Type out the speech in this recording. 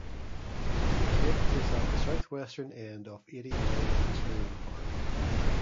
The cape is at the southwestern end of Eighty Mile Beach Marine Park.